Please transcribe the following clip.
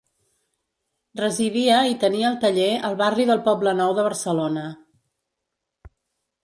Residia i tenia el taller al barri del Poblenou de Barcelona.